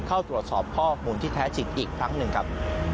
เข้าตรวจสอบข้อมูลที่แท้จริงอีกครั้งหนึ่งครับ